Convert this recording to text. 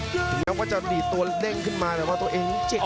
ถึงแล้วก็จะดีดตัวเล่นขึ้นมาแต่ว่าตัวเองจริง